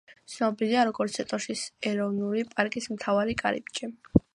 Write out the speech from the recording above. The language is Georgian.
ცნობილია, როგორც ეტოშის ეროვნული პარკის მთავარი კარიბჭე.